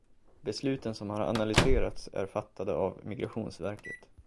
Besluten som har analyserats är fattade av Migrationsverket.